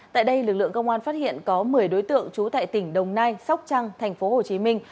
tại đây lực lượng công an phát hiện có một mươi đối tượng trú tại tỉnh đồng nai sóc trăng thành phố hồ chí minh